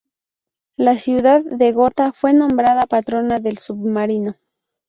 La ciudad de Gotha fue nombrada patrona del submarino.